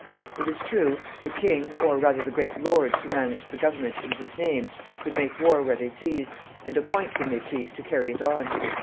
It is true, the king, or rather the great lords who managed the government in his name, could make war where they pleased, and appoint whom they pleased to carry it on.